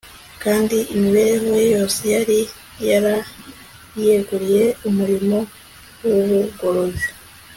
kandi imibereho ye yose yari yarayeguriye umurimo wubugorozi